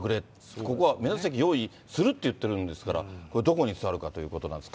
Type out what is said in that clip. ここは目立つ席用意するって言ってるんですから、これ、どこに座るかということなんですが。